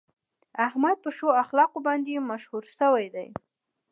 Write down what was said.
احمد په ښو اخلاقو باندې مشهور شوی دی.